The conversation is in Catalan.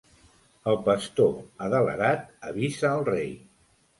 El pastor, adelerat, avisa al rei.